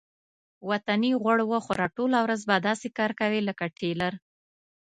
وطني غوړ وخوره ټوله ورځ به داسې کار کوې لکه ټېلر.